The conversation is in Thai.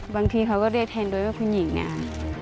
บางทีเขาก็เรียกแทนโดยว่าคุณหญิงเนี่ย